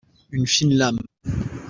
Une fine lame